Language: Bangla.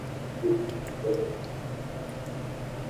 খুব সকালে রেডি হতে হয় জানিস না?